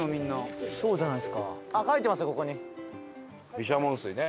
毘沙門水ね。